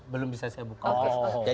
belum bisa saya buka